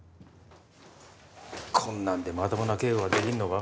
こんなんでまともな警護ができんのか？